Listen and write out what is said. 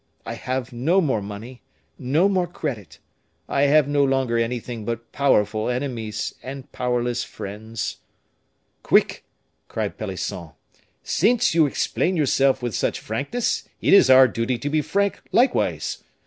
I have no more money, no more credit; I have no longer anything but powerful enemies, and powerless friends." "Quick!" cried Pelisson. "Since you explain yourself with such frankness, it is our duty to be frank, likewise.